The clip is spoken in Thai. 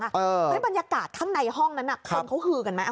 บรรยากาศข้างในห้องนั้นคนเขาฮือกันไหม